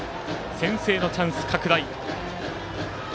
先制のチャンス、拡大。